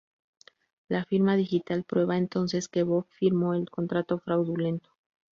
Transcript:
Las firma digital "prueba" entonces que Bob firmó el contrato fraudulento.